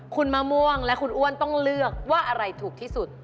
คุณมะม่วงและคุณอ้วนต้องเลือกว่าอะไรถูกที่สุด